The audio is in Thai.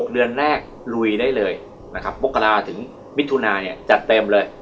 เดือนแรกลุยได้เลยนะครับมกราถึงมิถุนาเนี่ยจัดเต็มเลย